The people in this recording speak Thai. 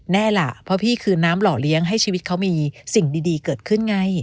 แน่ล่ะเพราะพี่คือน้ำหล่อเลี้ยงให้ชีวิตเขามีสิ่งดีเกิดขึ้นไง